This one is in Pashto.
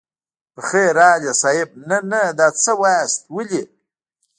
په خير راغلئ صيب نه نه دا څه واياست ولې.